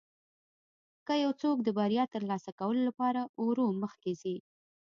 که یو څوک د بریا ترلاسه کولو لپاره ورو مخکې ځي.